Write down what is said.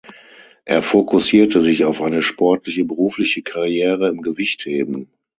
Er fokussierte sich auf eine sportliche berufliche Karriere im Gewichtheben.